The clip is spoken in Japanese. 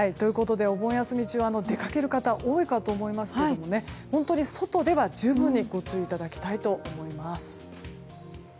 お盆休み中は出かける方多いと思いますけど本当に外では十分にご注意いただきたいと思います。